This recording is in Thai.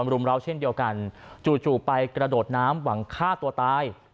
รุมร้าวเช่นเดียวกันจู่ไปกระโดดน้ำหวังฆ่าตัวตาย